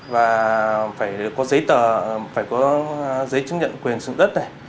và phải có giấy tờ phải có giấy chứng nhận quyền sử dụng đất này